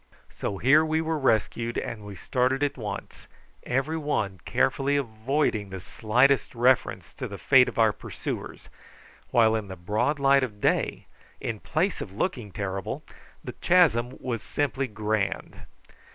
So here we were rescued, and we started at once, every one carefully avoiding the slightest reference to the fate of our pursuers, while in the broad light of day, in place of looking terrible, the chasm was simply grand.